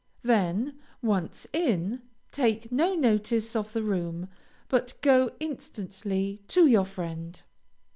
Then, once in, take no notice of the room, but go instantly to your friend.